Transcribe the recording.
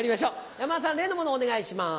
山田さん例のものをお願いします。